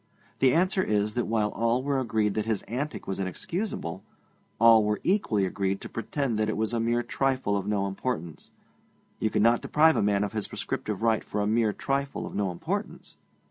The answer is, that while all were agreed that his antic was inexcusable, all were equally agreed to pretend that it was a mere trifle of no importance; you cannot deprive a man of his prescriptive right for a mere trifle of no importance.